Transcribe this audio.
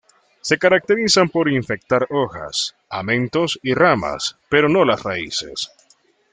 Se caracterizan por infectar hojas, amentos y ramas, pero no las raíces.